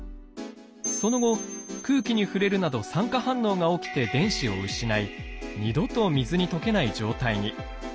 その後空気に触れるなど酸化反応が起きて電子を失い二度と水に溶けない状態に。